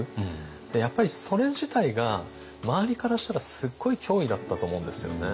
でやっぱりそれ自体が周りからしたらすっごい脅威だったと思うんですよね。